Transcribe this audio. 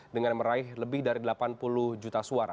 dengan meraih lebih dari delapan puluh juta suara